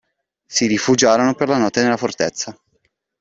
Si rifugiarono, per la notte, nella fortezza.